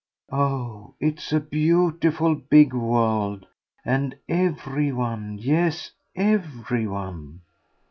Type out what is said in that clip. "Oh it's a beautiful big world, and every one, yes, every one